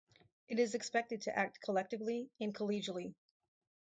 It is expected to act collectively and collegially.